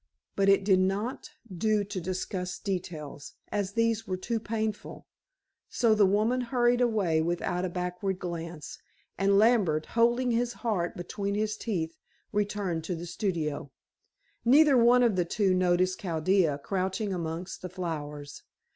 But it did not do to discuss details, as these were too painful, so the woman hurried away without a backward glance, and Lambert, holding his heart between his teeth, returned to the studio. Neither one of the two noticed Chaldea crouching amongst the flowers.